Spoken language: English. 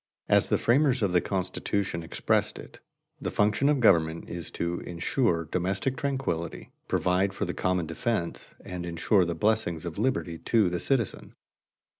As the framers of the Constitution expressed it, the function of government is to insure domestic tranquillity, provide for the common defense, and insure the blessings of liberty to the citizen.